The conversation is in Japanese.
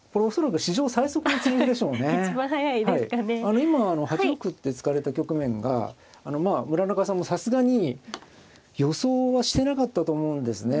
今８六歩って突かれた局面がまあ村中さんもさすがに予想はしてなかったと思うんですね。